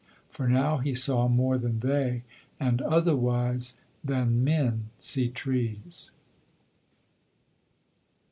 For now he saw more than they, and otherwise than men see trees.